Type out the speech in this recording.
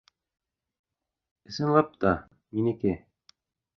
Ысынлап та, минеке.